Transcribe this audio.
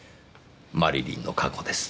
マリリンの過去です。